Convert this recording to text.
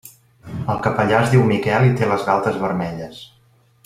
El capellà es diu Miquel i té les galtes vermelles.